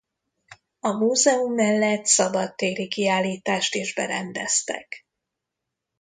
A múzeum mellett szabadtéri kiállítást is berendeztek.